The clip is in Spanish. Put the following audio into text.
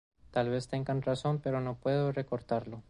Tal vez tengan razón, pero no puedo recordarlo".